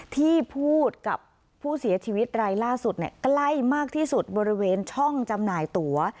ที่พูดกับผู้เสียชีวิตรายล่าสุดใกล้มากที่สุดบริเวณช่องจำหน่ายตั๋ว